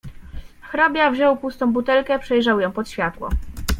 "Hrabia wziął pustą butelkę przejrzał ją pod światło."